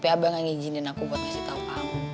abang yang ngijinin aku buat ngasih tau kamu